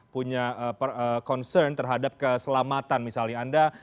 punya concern terhadap keselamatan misalnya anda